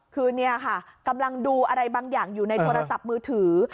คือเนี่ยค่ะกำลังดูอะไรบางอย่างอยู่ในโทรศัพท์มือถือ